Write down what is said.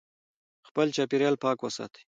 خپل چاپېریال پاک وساتئ.